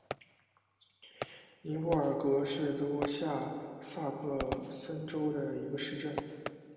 宁布尔格是德国下萨克森州的一个市镇。